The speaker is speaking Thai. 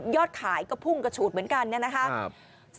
ยอดขายก็พุ่งกระฉูดเหมือนกันนะครับ